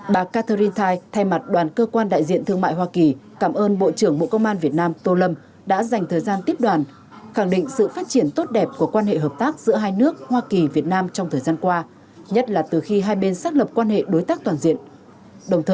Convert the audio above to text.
bà catherintite thay mặt đoàn cơ quan đại diện thương mại hoa kỳ cảm ơn bộ trưởng bộ công an việt nam tô lâm đã dành thời gian tiếp đoàn khẳng định sự phát triển tốt đẹp của quan hệ hợp tác giữa hai nước hoa kỳ việt nam trong thời gian qua nhất là từ khi hai bên xác lập quan hệ đối tác toàn diện